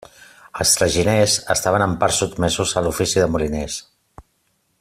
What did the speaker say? Els traginers estaven, en part, sotmesos a l'ofici de moliners.